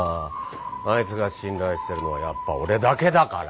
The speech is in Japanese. あいつが信頼してるのはやっぱ俺だけだから？